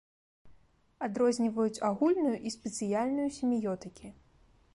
Адрозніваюць агульную і спецыяльную семіётыкі.